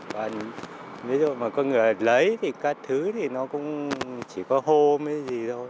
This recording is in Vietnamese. ví dụ mà có người lấy thì cái thứ thì nó cũng chỉ có hôm hay gì thôi